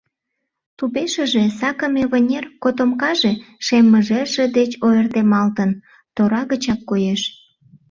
Тупешыже сакыме вынер котомкаже, шем мыжерже деч ойыртемалтын, тора гычак коеш.